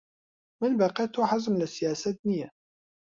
من بەقەد تۆ حەزم لە سیاسەت نییە.